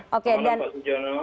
selamat malam pak sujono